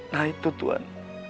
nah itu tuhan